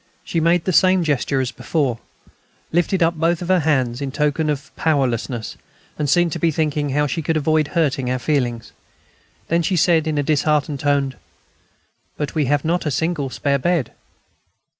She made the same gesture as before; lifted up both her hands, in token of powerlessness, and seemed to be thinking how she could avoid hurting our feelings. Then she said, in a disheartened tone: "But we have not a single spare bed."